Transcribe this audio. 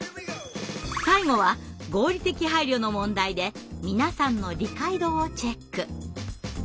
最後は合理的配慮の問題で皆さんの理解度をチェック。